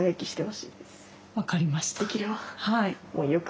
分かりました。